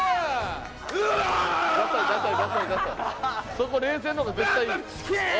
そこ冷静の方が絶対いいよ。